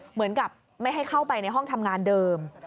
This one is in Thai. เหมือนกับไม่ให้เข้าไปในห้องทำงานเดิม